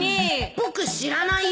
僕知らないよ